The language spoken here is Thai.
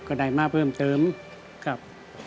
ก็ได้มาเพิ่มเติมครับ